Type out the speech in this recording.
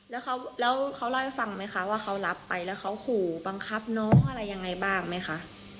แล้วเขาเล่าให้ฟังไหมคะว่าเขารับไปแล้วเขาขู่บังคับน้องอะไรยังไงบ้างไหมคะ